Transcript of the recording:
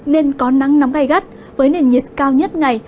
nên có nắng nóng gai gắt với nền nhiệt cao nhất ngày